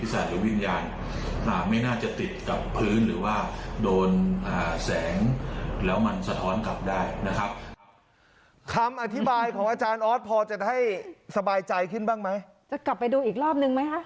แสงแล้วมันสะท้อนกลับได้นะครับ